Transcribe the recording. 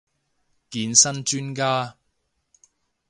健身專家